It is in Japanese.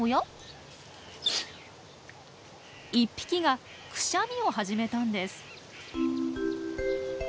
１匹がクシャミを始めたんです。